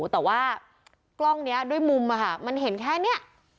แต่ว่ากล้องนี้ด้วยมุมมันเห็นแค่นี้